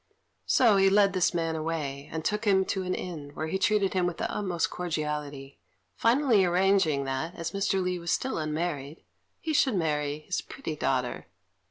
So he led this man away, and took him to an inn, where he treated him with the utmost cordiality, finally arranging that, as Mr. Li was still unmarried, he should marry his pretty daughter.